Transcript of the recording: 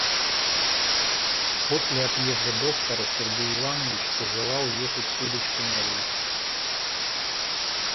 После отъезда доктора Сергей Иванович пожелал ехать с удочкой на реку.